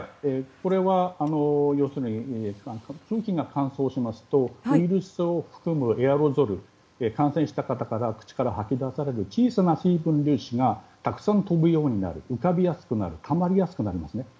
これは空気が乾燥しますとウイルスを含むエアロゾル感染した方の口から吐き出される小さな粒子がたくさん飛ぶようになる浮かびやすくたまりやすくなりますね。